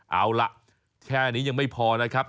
เอาล่ะแค่นี้ยังไม่พอนะครับ